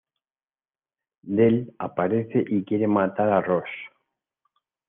Dell aparece y quiere matar a Ross.